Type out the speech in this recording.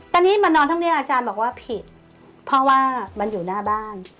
ตอนนี้มานอนทั้งนี้อาจารย์บอกว่าผิดเพราะว่ามันอยู่หน้าบ้าน